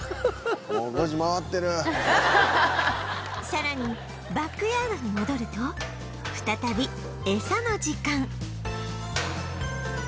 さらにバックヤードに戻ると再びエサの時間